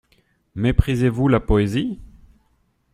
Méprisez-vous la poésie?